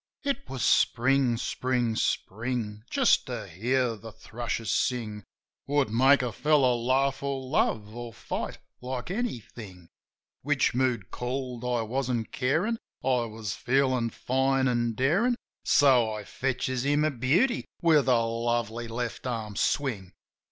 It was Spring, Spring, Spring! Just to hear the thrushes sing Would make a fellozv laugh, or love, or fight like anything. Which mood called I wasn't carin' ; I was feelin' fine an' darin' ; So I fetches him a beauty with a lovely left arm swing.